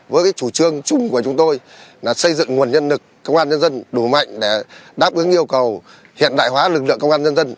với chủ trương chung của chúng tôi là xây dựng nguồn nhân lực công an nhân dân đủ mạnh để đáp ứng yêu cầu hiện đại hóa lực lượng công an nhân dân